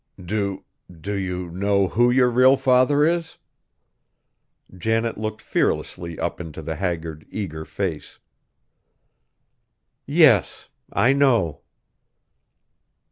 "Do do you know who your real father is?" Janet looked fearlessly up into the haggard, eager face. "Yes: I know."